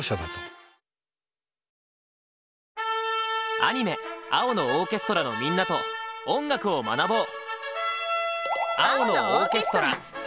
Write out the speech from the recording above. アニメ「青のオーケストラ」のみんなと音楽を学ぼう！